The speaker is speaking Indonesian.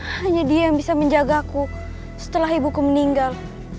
hanya dia yang bisa menjagaku setelah ibuku meninggal